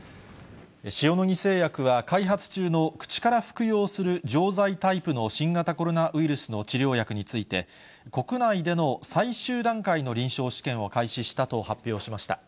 塩野義製薬は、開発中の口から服用する錠剤タイプの新型コロナウイルスの治療薬について、国内での最終段階の臨床試験を開始したと発表しました。